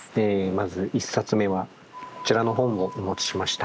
まず１冊目はこちらの本をお持ちしました。